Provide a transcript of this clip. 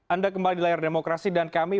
anda kembali di layar demokrasi dan kami